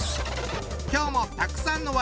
今日もたくさんの笑